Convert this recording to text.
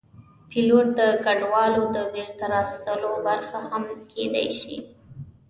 پیلوټ د کډوالو د بېرته راوستلو برخه هم کېدی شي.